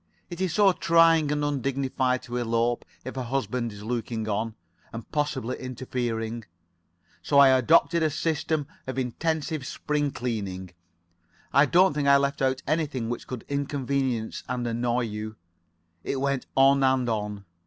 It is so trying and undignified to elope if a husband is looking on, and possibly interfering. So I adopted a system of intensive spring cleaning. I don't think I left out anything which could inconvenience and annoy you. It went on and on.